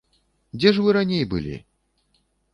Дзе ж вы раней былі?